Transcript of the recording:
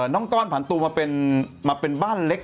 น้องก้อนผันตัวมาเป็นบ้านเล็ก